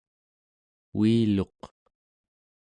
uiluq